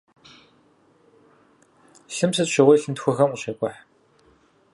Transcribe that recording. Лъым сыт щыгъуи лъынтхуэхэм къыщекӀухь.